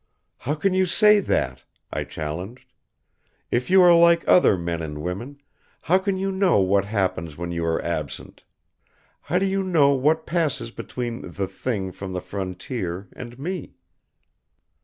"How can you say that?" I challenged. "If you are like other men and women, how can you know what happens when you are absent? How do you know what passes between the Thing from the Frontier and me?"